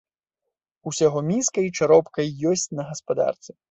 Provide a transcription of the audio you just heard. Усяго міска й чаропка й ёсць на гаспадарцы.